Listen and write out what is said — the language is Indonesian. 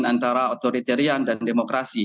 antara otoritarian dan demokrasi